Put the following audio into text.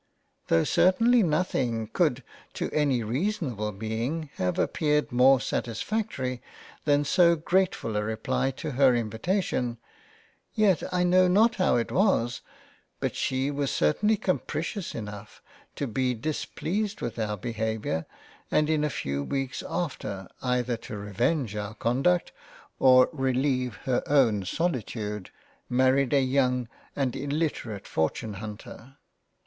Tho' certainly nothing could to any reasonable Being, have appeared more satisfactory, than so gratefull a reply to her invitation, yet I know not how it was, but she was certainly capricious enough to be dis pleased with our behaviour and in a few weeks after, either to revenge our Conduct, or releive her own solitude, married a young and illiterate Fortune hunter.